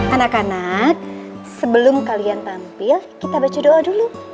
anak anak sebelum kalian tampil kita baca doa dulu